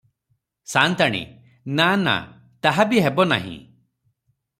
ସା’ନ୍ତାଣୀ – ନା – ନା, ତାହା ବି ହେବ ନାହିଁ ।